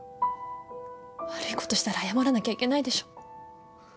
悪いことしたら謝らなきゃいけないでしょ。